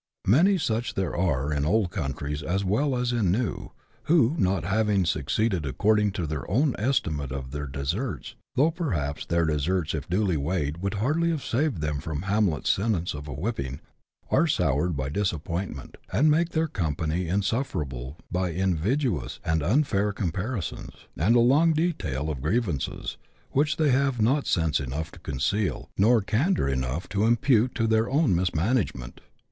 Many such there are, in old countries as well as in new, who, not having succeeded according to their own estimate of their deserts, (though perhaps their deserts if duly weighed would hardly have saved them from Hamlet's sentence of a whipping,) are soured by disappointment, and make their company insufferable by invidious and unfair comparisons, and a long detail of grievances, which they have not sense enough to conceal, nor candour enough to impute to their own mismanagement.